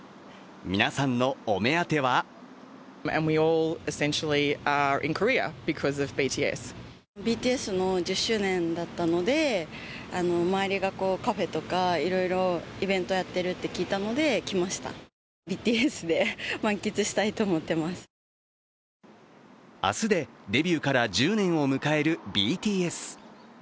皆さんのお目当ては明日でデビューから１０年を迎えるＢＴＳ。